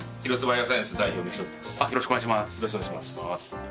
よろしくお願いします